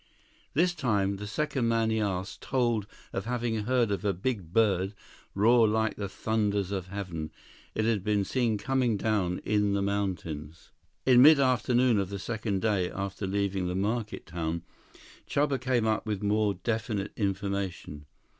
This time, the second man he asked told of having heard of a big bird "roar like the thunders of heaven." It had been seen coming down in the mountains. In mid afternoon of the second day after leaving the market town, Chuba came up with more definite information.